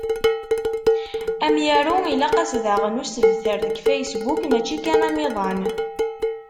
Amyaru ilaq-as daɣen usebter deg Facebook, mačči kan amiḍan.